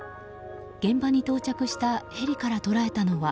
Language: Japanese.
現場に到着したヘリから捉えたのは。